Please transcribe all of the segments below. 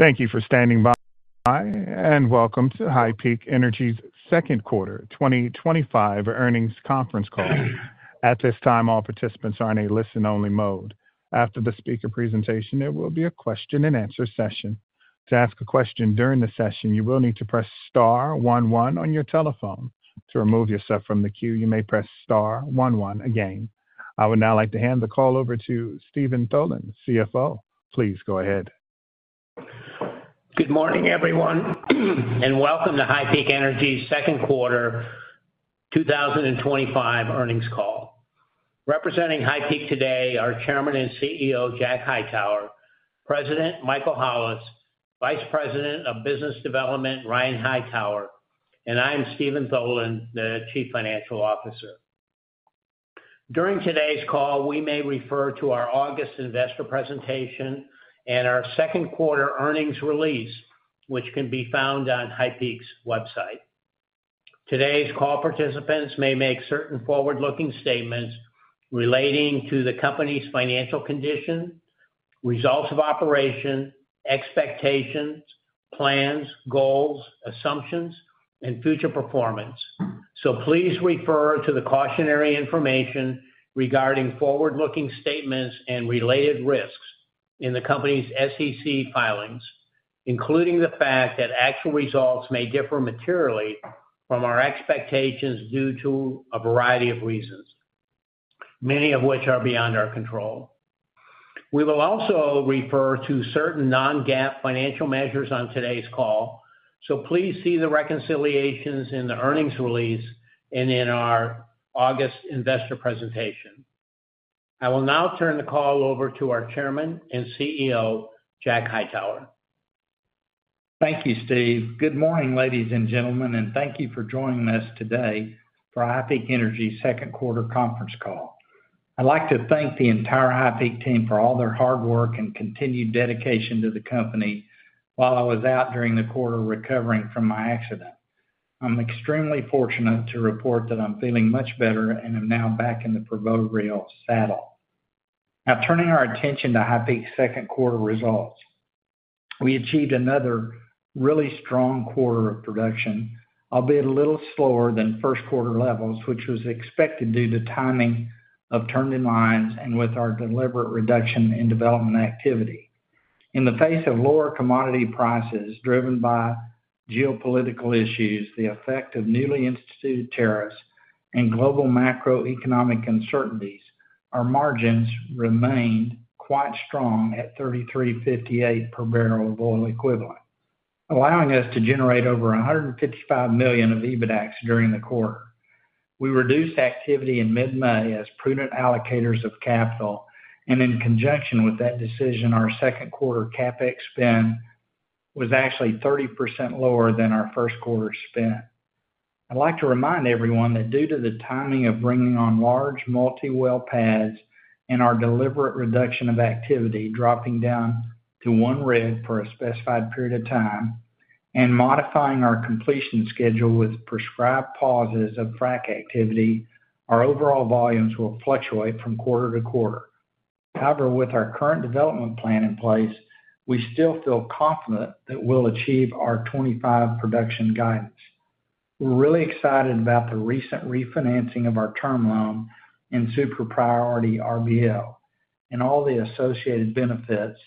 Thank you for standing by and welcome to HighPeak Energy's Second Quarter 2025 Earnings Conference Call. At this time, all participants are in a listen-only mode. After the speaker presentation, there will be a question and answer session. To ask a question during the session, you will need to press star one one on your telephone. To remove yourself from the queue, you may press star one one again. I would now like to hand the call over to Steven Tholen, CFO. Please go ahead. Good morning, everyone, and welcome to HighPeak Energy's Second Quarter 2025 Earnings Call. Representing HighPeak today are Chairman and CEO Jack Hightower, President Michael Hollis, Vice President of Business Development Ryan Hightower, and I'm Steven Tholen, the Chief Financial Officer. During today's call, we may refer to our August investor presentation and our second quarter earnings release, which can be found on HighPeak's website. Today's call participants may make certain forward-looking statements relating to the company's financial condition, results of operation, expectations, plans, goals, assumptions, and future performance. Please refer to the cautionary information regarding forward-looking statements and related risks in the company's SEC filings, including the fact that actual results may differ materially from our expectations due to a variety of reasons, many of which are beyond our control. We will also refer to certain non-GAAP financial measures on today's call, so please see the reconciliations in the earnings release and in our August investor presentation. I will now turn the call over to our Chairman and CEO, Jack Hightower. Thank you, Steve. Good morning, ladies and gentlemen, and thank you for joining us today for HighPeak Energy's Second Quarter Conference Call. I'd like to thank the entire HighPeak team for all their hard work and continued dedication to the company while I was out during the quarter recovering from my accident. I'm extremely fortunate to report that I'm feeling much better and am now back in the proverbial saddle. Now, turning our attention to HighPeak's second quarter results, we achieved another really strong quarter of production, albeit a little slower than first quarter levels, which was expected due to timing of turned-in lines and with our deliberate reduction in development activity. In the face of lower commodity prices driven by geopolitical issues, the effect of newly instituted tariffs, and global macroeconomic uncertainties, our margins remained quite strong at $33.58 per barrel, allowing us to generate over $155 million of EBITDA during the quarter. We reduced activity in mid-May as prudent allocators of capital, and in conjunction with that decision, our second quarter CapEx spend was actually 30% lower than our first quarter spend. I'd like to remind everyone that due to the timing of bringing on large multi-well pads and our deliberate reduction of activity, dropping down to one rig for a specified period of time, and modifying our completion schedule with prescribed pauses of frac activity, our overall volumes will fluctuate from quarter to quarter. However, with our current development plan in place, we still feel confident that we'll achieve our 2025 production guidance. We're really excited about the recent refinancing of our term loan and super priority revolving credit facility and all the associated benefits,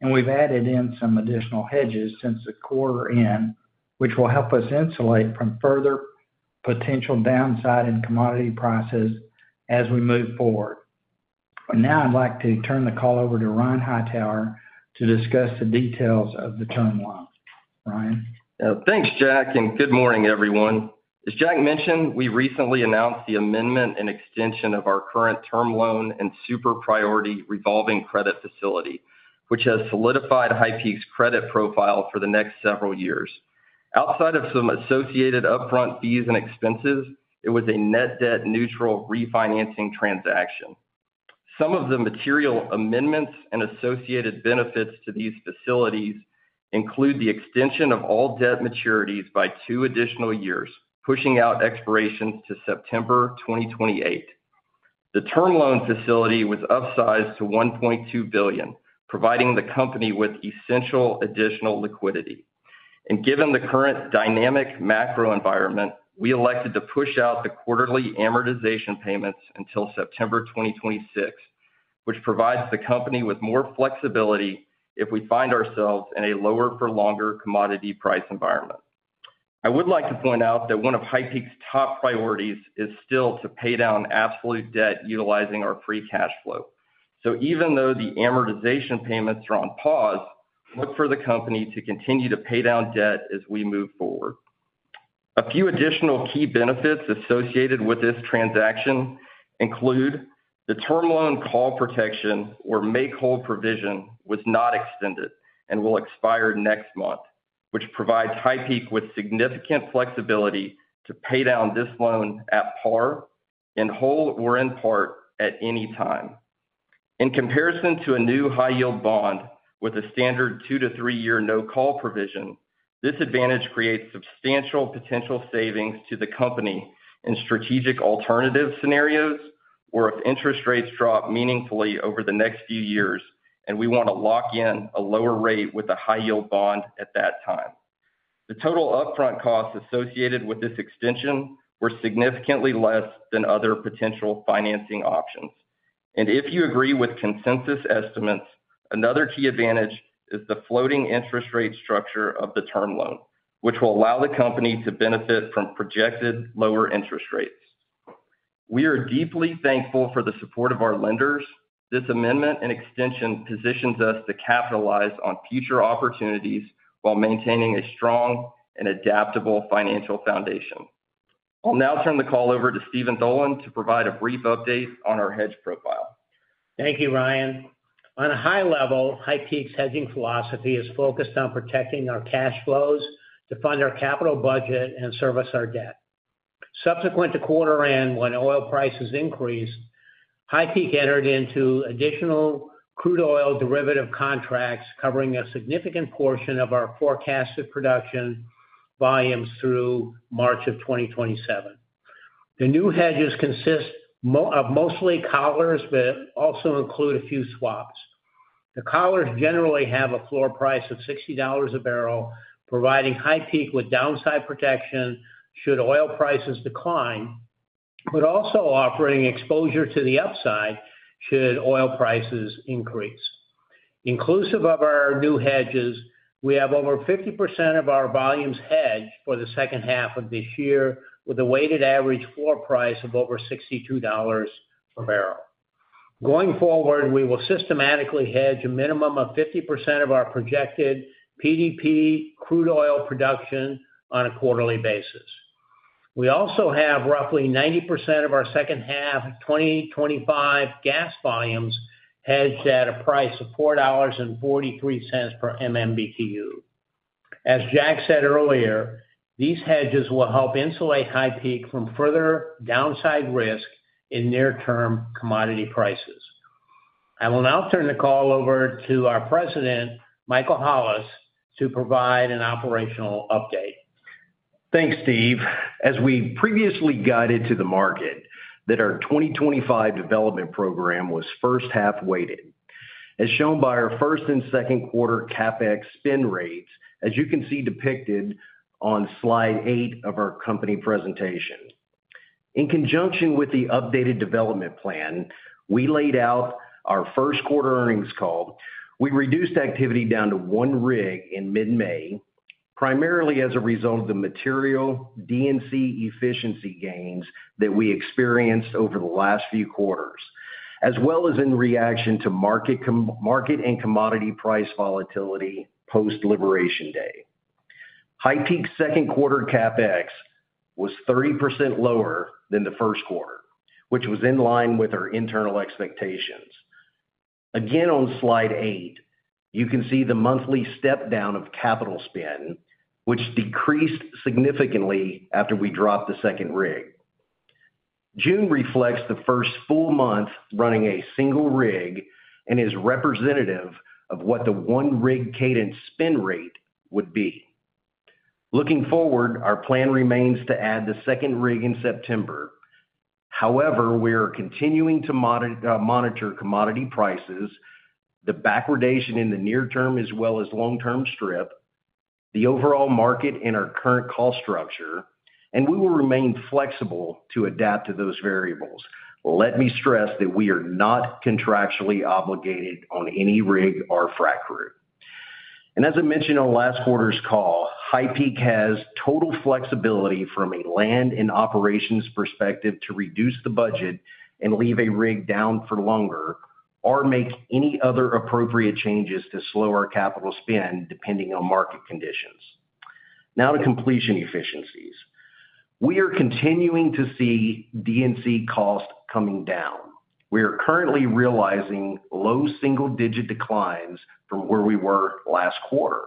and we've added in some additional hedges since the quarter end, which will help us insulate from further potential downside in commodity prices as we move forward. I'd like to turn the call over to Ryan Hightower to discuss the details of the term loan. Ryan. Thanks, Jack, and good morning, everyone. As Jack mentioned, we recently announced the amendment and extension of our current term loan and super priority revolving credit facility, which has solidified HighPeak's credit profile for the next several years. Outside of some associated upfront fees and expenses, it was a net debt-neutral refinancing transaction. Some of the material amendments and associated benefits to these facilities include the extension of all debt maturities by two additional years, pushing out expirations to September 2028. The term loan facility was upsized to $1.2 billion, providing the company with essential additional liquidity. Given the current dynamic macro environment, we elected to push out the quarterly amortization payments until September 2026, which provides the company with more flexibility if we find ourselves in a lower for longer commodity price environment. I would like to point out that one of HighPeak's top priorities is still to pay down absolute debt utilizing our free cash flow. Even though the amortization payments are on pause, look for the company to continue to pay down debt as we move forward. A few additional key benefits associated with this transaction include the term loan call protection, where the make-whole provision was not extended and will expire next month, which provides HighPeak with significant flexibility to pay down this loan at par, in whole or in part, at any time. In comparison to a new high-yield bond with a standard two to three-year no-call provision, this advantage creates substantial potential savings to the company in strategic alternative scenarios or if interest rates drop meaningfully over the next few years, and we want to lock in a lower rate with a high-yield bond at that time. The total upfront costs associated with this extension were significantly less than other potential financing options. If you agree with consensus estimates, another key advantage is the floating interest rate structure of the term loan, which will allow the company to benefit from projected lower interest rates. We are deeply thankful for the support of our lenders. This amendment and extension positions us to capitalize on future opportunities while maintaining a strong and adaptable financial foundation. I'll now turn the call over to Steven Tholen to provide a brief update on our hedge profile. Thank you, Ryan. On a high level, HighPeak's hedging philosophy is focused on protecting our cash flows to fund our capital budget and service our debt. Subsequent to quarter end, when oil prices increased, HighPeak entered into additional crude oil derivative contracts covering a significant portion of our forecasted production volumes through March of 2027. The new hedges consist of mostly collars, but also include a few swaps. The collars generally have a floor price of $60 a barrel, providing HighPeak with downside protection should oil prices decline, but also offering exposure to the upside should oil prices increase. Inclusive of our new hedges, we have over 50% of our volumes hedged for the second half of this year, with a weighted average floor price of over $62 per barrel. Going forward, we will systematically hedge a minimum of 50% of our projected PDP crude oil production on a quarterly basis. We also have roughly 90% of our second half of 2025 gas volumes hedged at a price of $4.43 per MMBTU. As Jack said earlier, these hedges will help insulate HighPeak from further downside risk in near-term commodity prices. I will now turn the call over to our President, Michael Hollis, to provide an operational update. Thanks, Steve. As we previously guided to the market, our 2025 development program was first half weighted, as shown by our first and second quarter CapEx spend rates, as you can see depicted on slide eight of our company presentation. In conjunction with the updated development plan, we laid out our first quarter earnings call. We reduced activity down to one rig in mid-May, primarily as a result of the material DNC efficiency gains that we experienced over the last few quarters, as well as in reaction to market and commodity price volatility post-Liberation Day. HighPeak Energy's second quarter CapEx was 30% lower than the first quarter, which was in line with our internal expectations. Again, on slide eight, you can see the monthly step-down of capital spend, which decreased significantly after we dropped the second rig. June reflects the first full month running a single rig and is representative of what the one-rig cadence spend rate would be. Looking forward, our plan remains to add the second rig in September. However, we are continuing to monitor commodity prices, the backwardation in the near-term as well as long-term strip, the overall market, and our current cost structure, and we will remain flexible to adapt to those variables. Let me stress that we are not contractually obligated on any rig or frac crew. As I mentioned on last quarter's call, HighPeak has total flexibility from a land and operations perspective to reduce the budget and leave a rig down for longer or make any other appropriate changes to slow our capital spend depending on market conditions. Now to completion efficiencies. We are continuing to see DNC costs coming down. We are currently realizing low single-digit declines from where we were last quarter.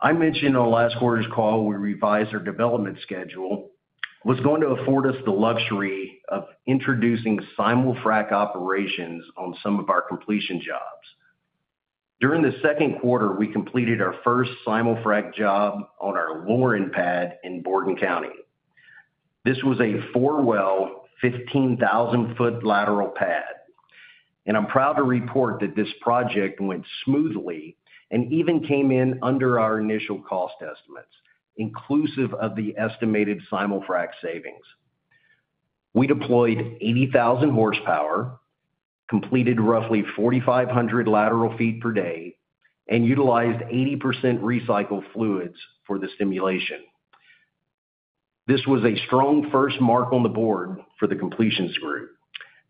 I mentioned on last quarter's call we revised our development schedule, which was going to afford us the luxury of introducing simul-frac operations on some of our completion jobs. During the second quarter, we completed our first simul-frac job on our lowering pad in Borden County. This was a four-well, 15,000-foot lateral pad. I'm proud to report that this project went smoothly and even came in under our initial cost estimates, inclusive of the estimated simul-frac savings. We deployed 80,000 horsepower, completed roughly 4,500 lateral feet per day, and utilized 80% recycled fluids for the simulation. This was a strong first mark on the board for the completions group.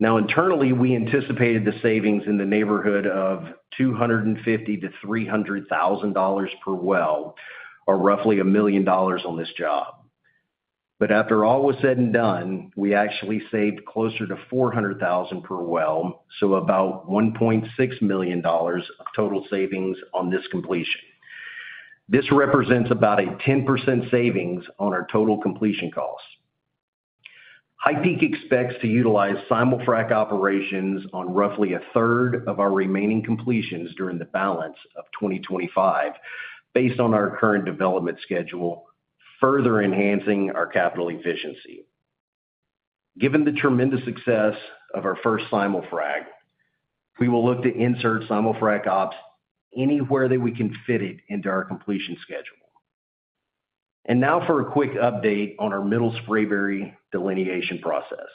Now, internally, we anticipated the savings in the neighborhood of $250,000-$300,000 per well, or roughly $1 million on this job. After all was said and done, we actually saved closer to $400,000 per well, so about $1.6 million of total savings on this completion. This represents about a 10% savings on our total completion costs. HighPeak expects to utilize simul-frac operations on roughly a third of our remaining completions during the balance of 2025 based on our current development schedule, further enhancing our capital efficiency. Given the tremendous success of our first simul-frac, we will look to insert simul-frac operations anywhere that we can fit it into our completion schedule. Now for a quick update on our Middle Sprayberry delineation process.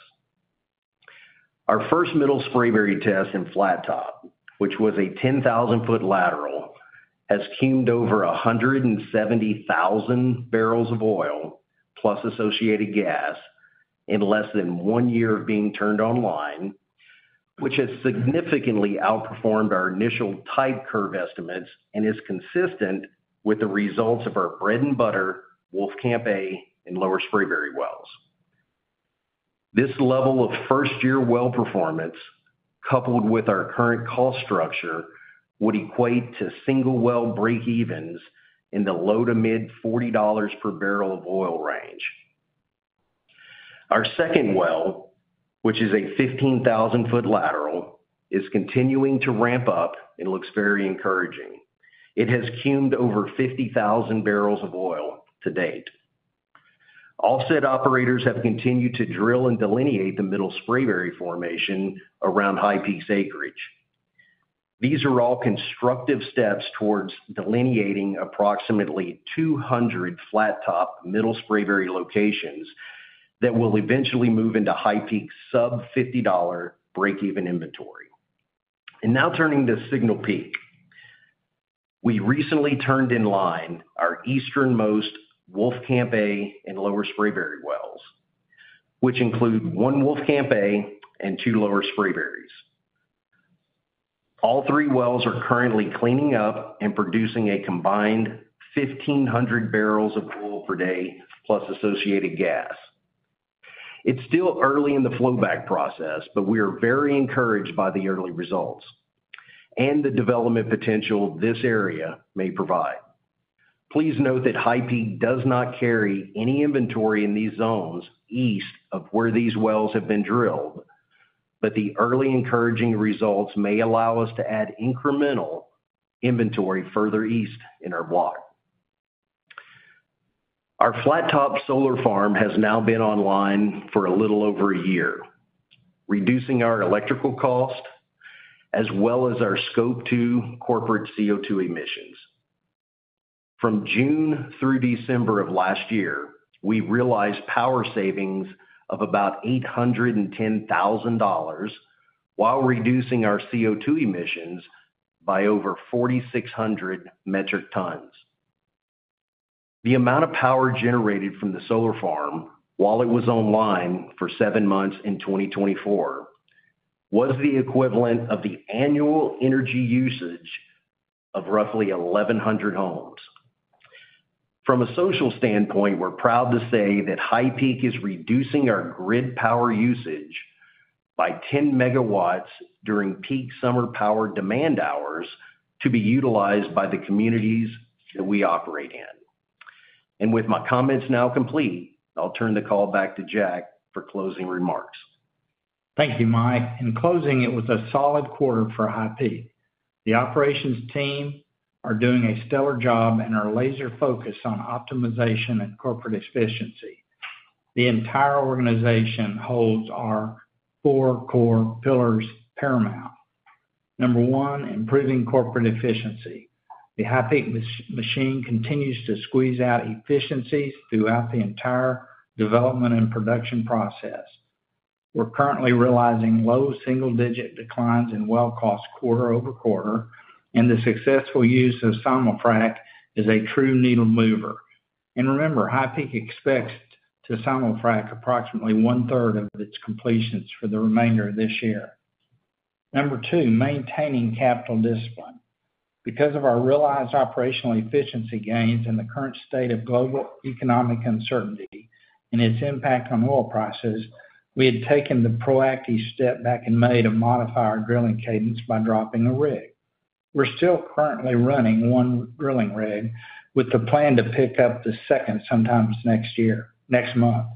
Our first Middle Sprayberry test in flat-top, which was a 10,000-foot lateral, has cumed over 170,000 barrels of oil plus associated gas in less than one year of being turned online, which has significantly outperformed our initial type curve estimates and is consistent with the results of our bread and butter Wolfcamp A and Lower Sprayberry wells. This level of first-year well performance, coupled with our current cost structure, would equate to single well breakevens in the low to mid $40 per barrel of oil range. Our second well, which is a 15,000-foot lateral, is continuing to ramp up and looks very encouraging. It has cumed over 50,000 barrels of oil to date. All set operators have continued to drill and delineate the Middle Sprayberry formation around HighPeak's acreage. These are all constructive steps towards delineating approximately 200 flat-top Middle Sprayberry locations that will eventually move into HighPeak's sub $50 breakeven inventory. Turning to Signal Peak, we recently turned in line our easternmost Wolfcamp A and Lower Sprayberry wells, which include one Wolfcamp A and two Lower Sprayberrys. All three wells are currently cleaning up and producing a combined 1,500 barrels of oil per day plus associated gas. It's still early in the flowback process, but we are very encouraged by the early results and the development potential this area may provide. Please note that HighPeak does not carry any inventory in these zones east of where these wells have been drilled, but the early encouraging results may allow us to add incremental inventory further east in our block. Our flat-top solar farm has now been online for a little over a year, reducing our electrical cost as well as our Scope 2 corporate CO2 emissions. From June through December of last year, we realized power savings of about $810,000 while reducing our CO2 emissions by over 4,600 metric tons. The amount of power generated from the solar farm while it was online for seven months in 2024 was the equivalent of the annual energy usage of roughly 1,100 homes. From a social standpoint, we're proud to say that HighPeak is reducing our grid power usage by 10 megawatts during peak summer power demand hours to be utilized by the communities that we operate in. With my comments now complete, I'll turn the call back to Jack for closing remarks. Thank you, Mike. In closing, it was a solid quarter for HighPeak. The operations team is doing a stellar job and are laser-focused on optimization and corporate efficiency. The entire organization holds our four core pillars paramount. Number one, improving corporate efficiency. The HighPeak machine continues to squeeze out efficiencies throughout the entire development and production process. We're currently realizing low single-digit declines in well cost quarter over quarter, and the successful use of simul-frac operations is a true needle mover. Remember, HighPeak expects to simul-frac approximately one-third of its completions for the remainder of this year. Number two, maintaining capital discipline. Because of our realized operational efficiency gains in the current state of global economic uncertainty and its impact on oil prices, we had taken the proactive step back in May to modify our drilling cadence by dropping a rig. We're still currently running one drilling rig with the plan to pick up the second sometime next month,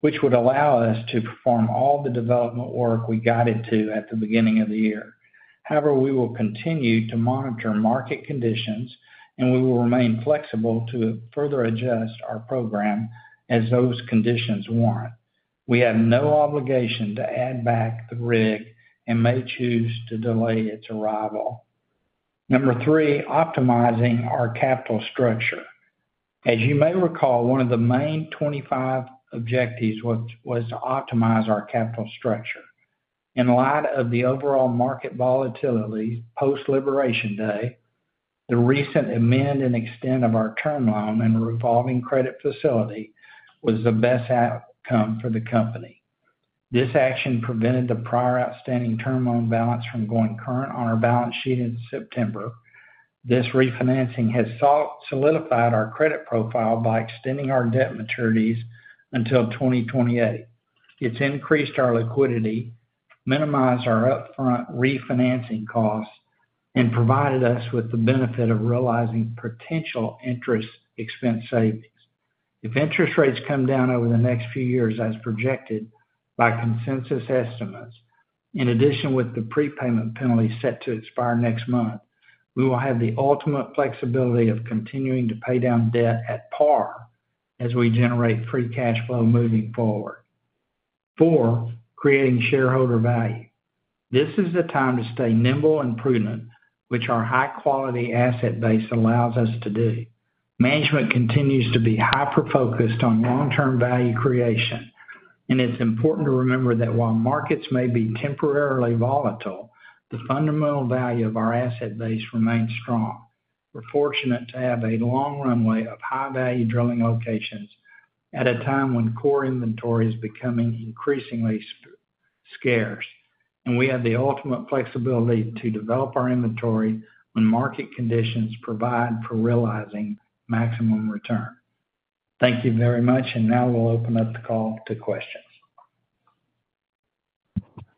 which would allow us to perform all the development work we got into at the beginning of the year. However, we will continue to monitor market conditions, and we will remain flexible to further adjust our program as those conditions warrant. We have no obligation to add back the rig and may choose to delay its arrival. Number three, optimizing our capital structure. As you may recall, one of the main 2025 objectives was to optimize our capital structure. In light of the overall market volatility post-Liberation Day, the recent amendment and extension of our term loan and super priority revolving credit facility was the best outcome for the company. This action prevented the prior outstanding term loan balance from going current on our balance sheet in September. This refinancing has solidified our credit profile by extending our debt maturities until 2028. It's increased our liquidity, minimized our upfront refinancing costs, and provided us with the benefit of realizing potential interest expense savings. If interest rates come down over the next few years as projected by consensus estimates, in addition with the make-whole provision set to expire next month, we will have the ultimate flexibility of continuing to pay down debt at par as we generate free cash flow moving forward. Four, creating shareholder value. This is the time to stay nimble and prudent, which our high-quality asset base allows us to do. Management continues to be hyper-focused on long-term value creation, and it's important to remember that while markets may be temporarily volatile, the fundamental value of our asset base remains strong. We're fortunate to have a long runway of high-value drilling locations at a time when core inventory is becoming increasingly scarce, and we have the ultimate flexibility to develop our inventory when market conditions provide for realizing maximum return. Thank you very much, and now we'll open up the call to questions.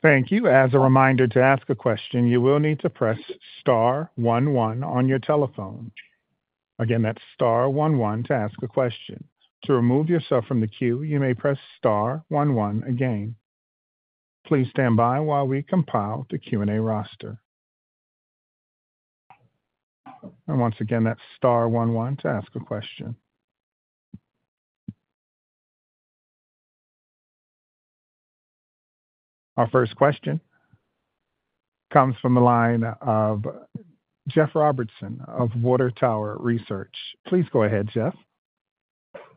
Thank you. As a reminder, to ask a question, you will need to press star one one on your telephone. Again, that's star one one to ask a question. To remove yourself from the queue, you may press star one one again. Please stand by while we compile the Q&A roster. Once again, that's star one one to ask a question. Our first question comes from a line of Jeff Robertson of Water Tower Research. Please go ahead, Jeff.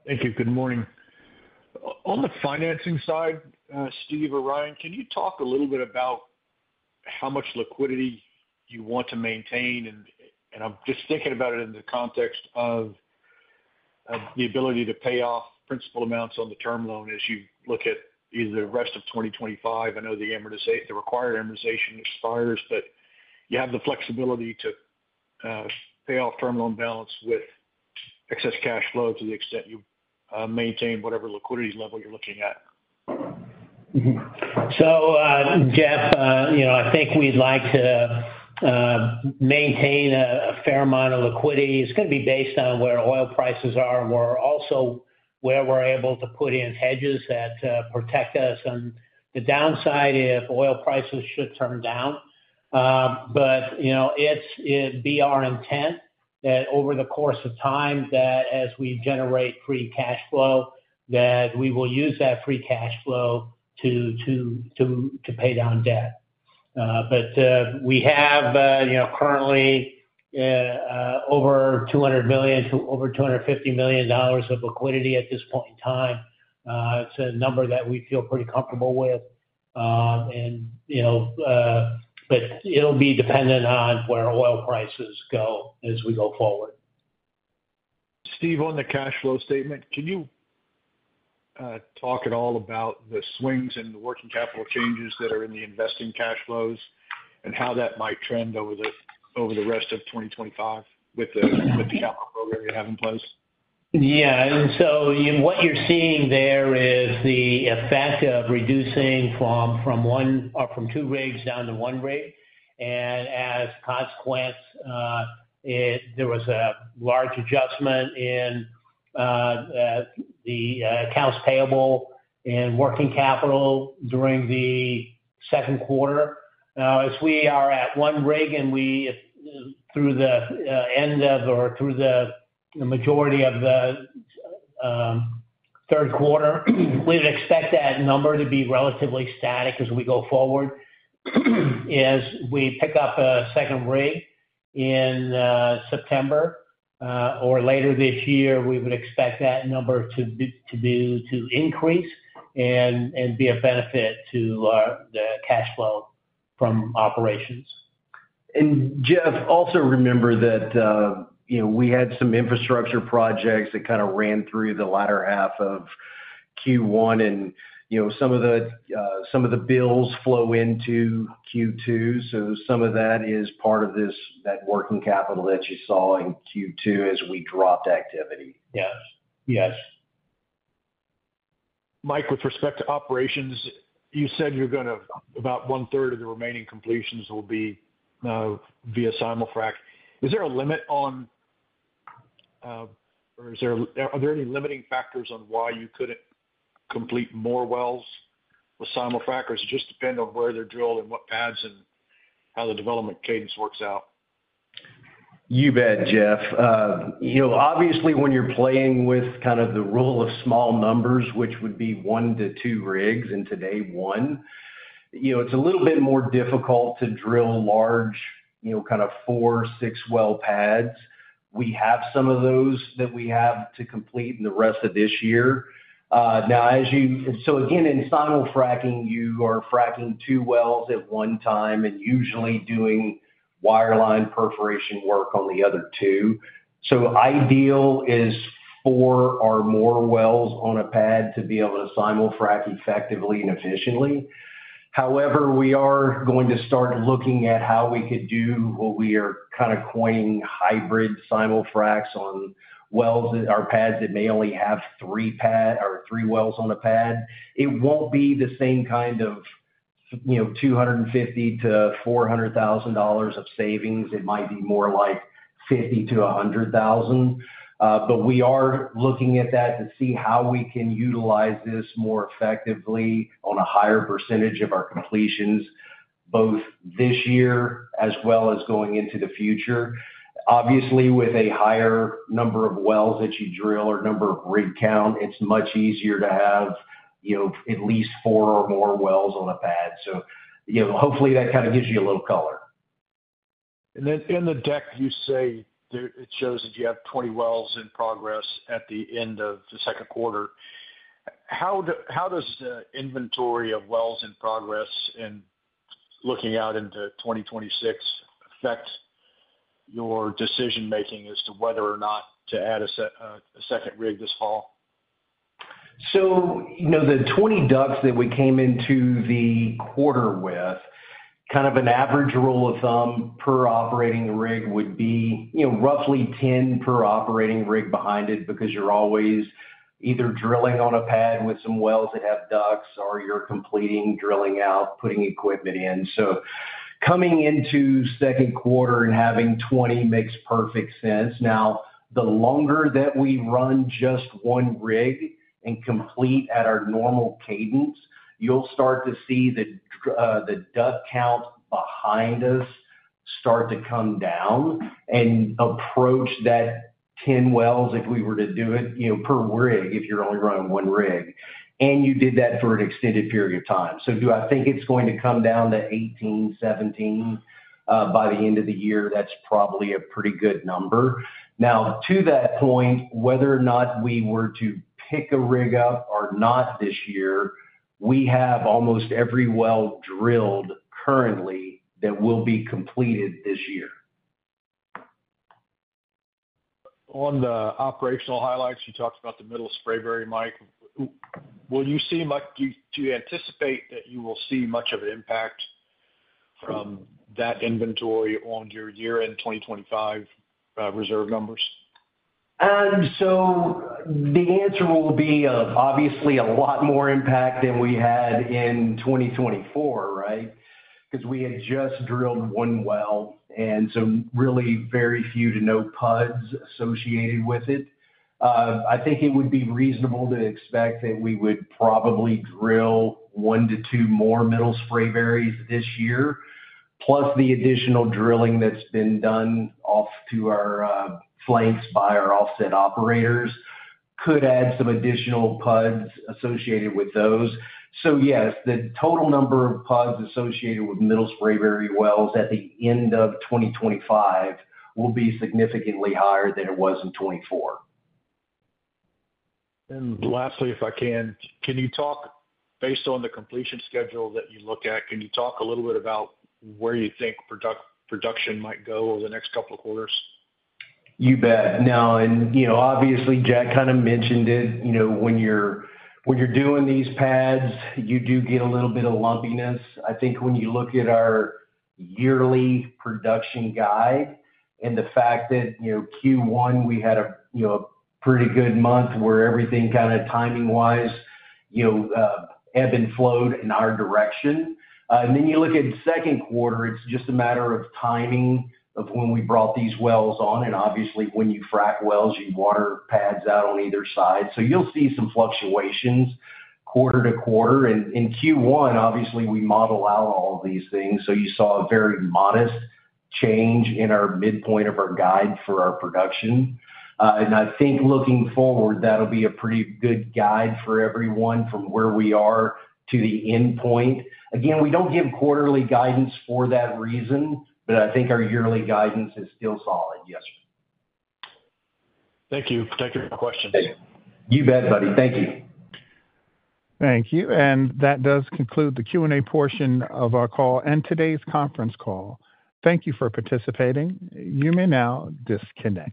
Thank you. Good morning. On the financing side, Steve or Ryan, can you talk a little bit about how much liquidity you want to maintain? I'm just thinking about it in the context of the ability to pay off principal amounts on the term loan as you look at either the rest of 2025. I know the required amortization expires, but you have the flexibility to pay off term loan balance with excess cash flow to the extent you maintain whatever liquidity level you're looking at. Jeff, you know I think we'd like to maintain a fair amount of liquidity. It's going to be based on where oil prices are and also where we're able to put in hedges that protect us from the downside if oil prices should turn down. It's our intent that over the course of time, as we generate free cash flow, we will use that free cash flow to pay down debt. We have currently over $200 million to over $250 million of liquidity at this point in time. It's a number that we feel pretty comfortable with. It'll be dependent on where oil prices go as we go forward. Steve, on the cash flow statement, can you talk at all about the swings in the working capital changes that are in the investing cash flows and how that might trend over the rest of 2025 with the capital program you have in place? What you're seeing there is the effect of reducing from two rigs down to one rig. As a consequence, there was a large adjustment in the accounts payable and working capital during the second quarter. Now, as we are at one rig through the majority of the third quarter, we would expect that number to be relatively static as we go forward. As we pick up a second rig in September or later this year, we would expect that number to increase and be a benefit to the cash flow from operations. Jeff, also remember that you know we had some infrastructure projects that kind of ran through the latter half of Q1, and you know some of the bills flow into Q2. Some of that is part of this, that working capital that you saw in Q2 as we dropped activity. Yes. Mike, with respect to operations, you said you're going to about one-third of the remaining completions will be via simul-frac. Is there a limit on or are there any limiting factors on why you couldn't complete more wells with simul-frac, or does it just depend on where they're drilled and what pads and how the development cadence works out? You bet, Jeff. Obviously, when you're playing with kind of the rule of small numbers, which would be one to two rigs, and today one, it's a little bit more difficult to drill large, kind of four, six-well pads. We have some of those that we have to complete in the rest of this year. Now, as you see, in simul-frac operations, you are fracking two wells at one time and usually doing wireline perforation work on the other two. Ideal is four or more wells on a pad to be able to simul-frac effectively and efficiently. However, we are going to start looking at how we could do what we are kind of calling hybrid simul-fracs on wells or pads that may only have three wells on a pad. It won't be the same kind of $250,000-$400,000 of savings. It might be more like $50,000-$100,000. We are looking at that to see how we can utilize this more effectively on a higher percentage of our completions, both this year as well as going into the future. Obviously, with a higher number of wells that you drill or number of rig count, it's much easier to have at least four or more wells on a pad. Hopefully, that kind of gives you a little color. In the deck, you say it shows that you have 20 wells in progress at the end of the second quarter. How does the inventory of wells in progress and looking out into 2026 affect your decision-making as to whether or not to add a second rig this fall? The 20 ducts that we came into the quarter with, kind of an average rule of thumb per operating rig would be roughly 10 per operating rig behind it because you're always either drilling on a pad with some wells that have ducks or you're completing drilling out, putting equipment in. Coming into second quarter and having 20 makes perfect sense. The longer that we run just one rig and complete at our normal cadence, you'll start to see the duck count behind us start to come down and approach that 10 wells if we were to do it per rig if you're only running one rig and you did that for an extended period of time. Do I think it's going to come down to 18, 17 by the end of the year? That's probably a pretty good number. To that point, whether or not we were to pick a rig up or not this year, we have almost every well drilled currently that will be completed this year. On the operational highlights, you talked about the Middle Sprayberry, Mike. When you see, Mike, do you anticipate that you will see much of an impact from that inventory on your year-end 2025 reserve numbers? The answer will be obviously a lot more impact than we had in 2024, right? Because we had just drilled one well and some really very few to no PUDs associated with it. I think it would be reasonable to expect that we would probably drill one to two more Middle Sprayberrys this year, plus the additional drilling that's been done off to our flanks by our offset operators could add some additional PUDs associated with those. Yes, the total number of PUDs associated with Middle Sprayberry wells at the end of 2025 will be significantly higher than it was in 2024. Lastly, if I can, can you talk, based on the completion schedule that you look at, can you talk a little bit about where you think production might go over the next couple of quarters? You bet. Obviously, Jack kind of mentioned it. When you're doing these pads, you do get a little bit of lumpiness. I think when you look at our yearly production guide and the fact that Q1, we had a pretty good month where everything kind of timing-wise ebbed and flowed in our direction. You look at the second quarter, it's just a matter of timing of when we brought these wells on. Obviously, when you frack wells, you water pads out on either side. You'll see some fluctuations quarter to quarter. In Q1, we model out all of these things, so you saw a very modest change in our midpoint of our guide for our production. I think looking forward, that'll be a pretty good guide for everyone from where we are to the endpoint. We don't give quarterly guidance for that reason, but I think our yearly guidance is still solid. Yes, sir. Thank you for taking my questions. You bet, buddy. Thank you. Thank you. That does conclude the Q&A portion of our call and today's conference call. Thank you for participating. You may now disconnect.